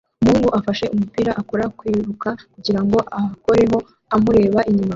Umuhungu afashe umupira akora kwiruka kugirango akoreho amureba inyuma